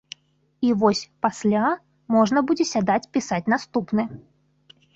І вось пасля можна будзе сядаць пісаць наступны.